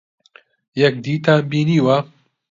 یەکدیتان بینیوە؟